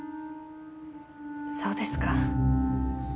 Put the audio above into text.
そうですか。